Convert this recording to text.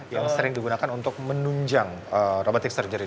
yang sering digunakan untuk menunjang robotik surgery